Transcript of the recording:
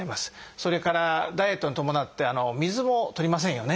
それからダイエットに伴って水もとりませんよね。